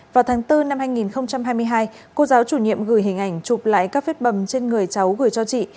vào tháng bốn năm hai nghìn hai mươi hai cô giáo chủ nhiệm gửi hình ảnh chụp lại các vết bầm trên người cháu gửi cho chị